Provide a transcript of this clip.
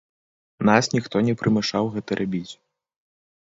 Нас ніхто не прымушаў гэта рабіць.